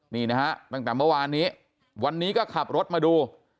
นี่นะฮะตั้งแต่เมื่อวานนี้วันนี้ก็ขับรถมาดู